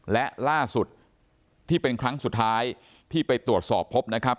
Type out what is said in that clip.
และล่าสุดที่เป็นครั้งสุดท้ายที่ไปตรวจสอบพบนะครับ